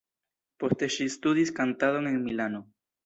Poste ŝi studis kantadon en Milano.